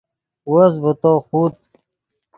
وس ڤے تو خوت